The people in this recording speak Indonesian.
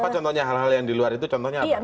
apa contohnya hal hal yang di luar itu contohnya apa